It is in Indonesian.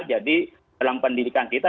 jadi dalam pendidikan kita